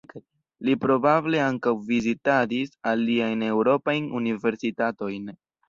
Li probable ankaŭ vizitadis aliajn eŭropajn universitatojn.